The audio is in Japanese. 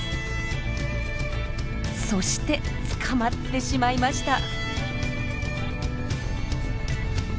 そして捕まってしまいました。